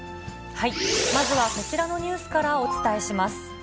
まずはこちらのニュースからお伝えします。